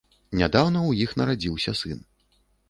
Нядаўна ў іх нарадзіўся сын.